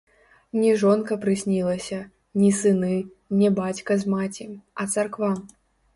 Не жонка прыснілася, не сыны, не бацька з маці, а царква.